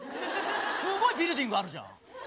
すごいビルディングあるじゃん。